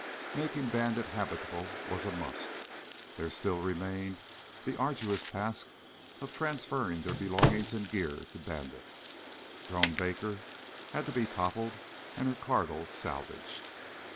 Making Bandit habitable was a must. There still remained the arduous task of transferring their belongings and gear to Bandit. Drone Baker had to be toppled and her cargo salvaged.